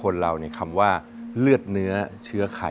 คนเราเนี่ยคำว่าเลือดเนื้อเชื้อไข่